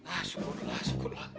ah syukurlah syukurlah